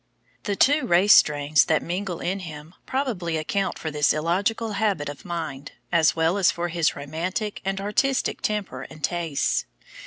The two race strains that mingle in him probably account for this illogical habit of mind, as well as for his romantic and artistic temper and tastes.